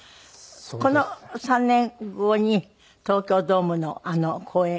この３年後に東京ドームの公演。